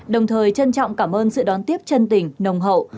đồng thời trân trọng cảm ơn sự đón tiếp chân tình nồng hậu